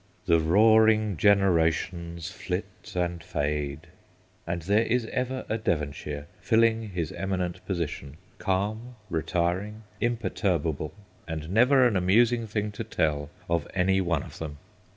' The roaring generations flit and fade,' and there is ever a Devonshire filling his eminent position, calm, retiring, imperturb able, and never an amusing thing to tell of any one of them.